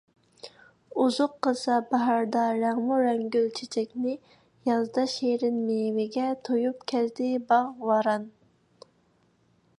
ئۇزۇق قىلسا باھاردا رەڭمۇرەڭ گۈل - چېچەكنى، يازدا شېرىن مېۋىگە تويۇپ كەزدى باغ - ۋاران.